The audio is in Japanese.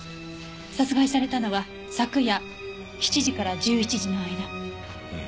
殺害されたのは昨夜７時から１１時の間。